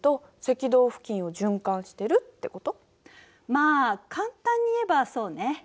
まあ簡単に言えばそうね。